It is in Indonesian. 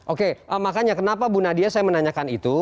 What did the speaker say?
oke makanya kenapa bu nadia saya menanyakan itu